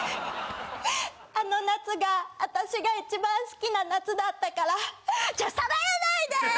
あの夏があたしが一番好きな夏だったからちょ触らないで！